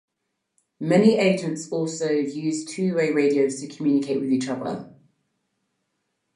Many agents also use two way radios to communicate with each other.